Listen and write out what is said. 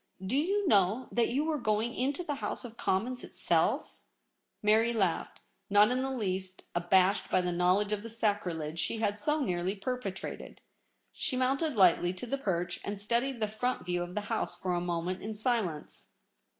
Do you know that you were going into the House of Commons itself ?' 30 THE REBEL ROSE. Mary laughed, not in the least abashed by the knowledge of the sacrilege she had so nearly perpetrated. She mounted lightly to the perch, and studied the front view of the House for a moment in silence.